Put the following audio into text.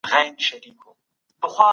ټولنیز علوم د انسانانو چلندونه څېړي.